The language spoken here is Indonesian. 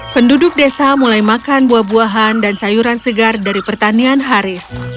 penduduk desa mulai makan buah buahan dan sayuran segar dari pertanian haris